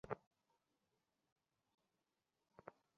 তুমি গল্প পছন্দ কর, তাই না?